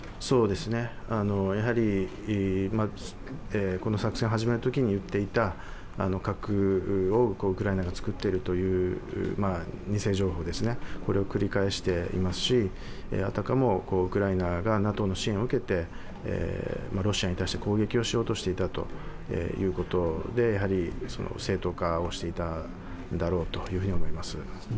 やはりこの作戦を始めるときに言っていた核をウクライナが作っているという偽情報を繰り返していますし、あたかもウクライナがＮＡＴＯの支援を受けてロシアに対して攻撃をしようとしていたということで、やはり正当化をしていたんだろうと思います。